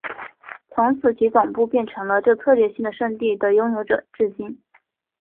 从此其总部变成了这策略性的圣地的拥有者至今。